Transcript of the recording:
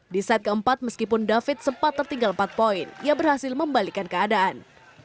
di set keempat meskipun david sempat tertinggal empat poin ia berhasil membalikan keadaan